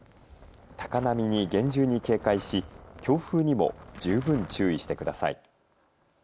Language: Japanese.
高波に厳重に警戒し強風にも十分注意してください。